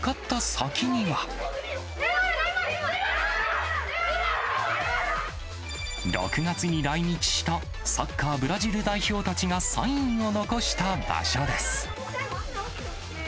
ネイマール、ネイマール！６月に来日した、サッカーブラジル代表たちがサインを残した場所です。